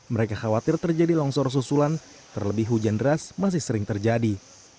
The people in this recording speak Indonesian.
mereka khawatir terjadi longsor susulan terlebih hujan deras masih sering terjadi